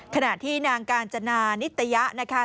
ขณะที่นางกาญจนานิตยะนะคะ